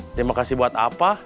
terima kasih buat apa